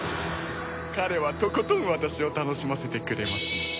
彼はとことん私を楽しませてくれますね。